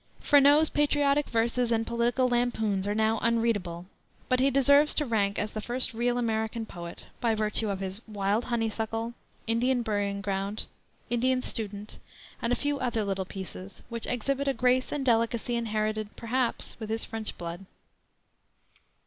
Freneau's patriotic verses and political lampoons are now unreadable; but he deserves to rank as the first real American poet, by virtue of his Wild Honeysuckle, Indian Burying Ground, Indian Student, and a few other little pieces, which exhibit a grace and delicacy inherited, perhaps, with his French blood.